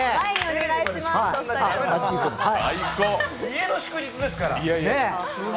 家の祝日ですから。